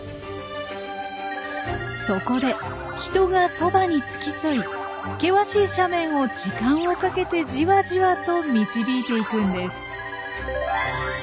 そこで人がそばに付き添い険しい斜面を時間をかけてじわじわと導いていくんです。